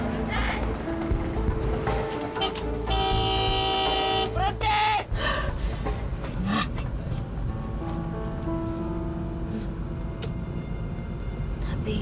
aku pasti kalahkan